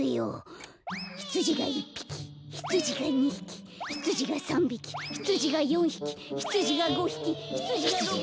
ひつじが１ぴきひつじが２ひきひつじが３びきひつじが４ひきひつじが５ひきひつじが６ぴき。